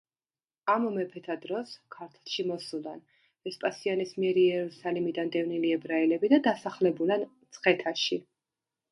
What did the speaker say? ამ მეფეთა დროს ქართლში მოსულან, ვესპასიანეს მიერ იერუსალიმიდან დევნილი ებრაელები და დასახლებულან მცხეთაში.